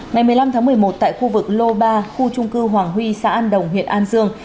ngày một mươi năm tháng một mươi một tại khu vực lô ba khu trung cư hoàng huy xã an đồng huyện an dương